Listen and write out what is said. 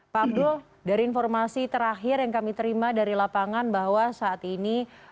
pak abdul dari informasi terakhir yang kami terima dari lapangan bahwa saat ini